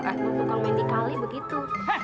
bukang main dikali begitu